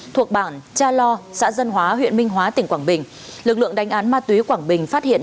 thuộc bản cha lo xã dân hóa huyện minh hóa tỉnh quảng bình lực lượng đánh án ma túy quảng bình phát hiện